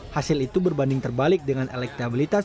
hasil itu berbanding terbalik dengan elektabilitas